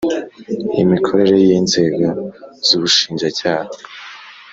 imikorere y inzego zubushinjacyaha